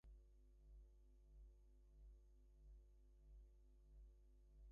In a "Keyboard Magazine" interview, Ray Charles was asked who his favorite pianist was.